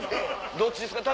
どっちですか？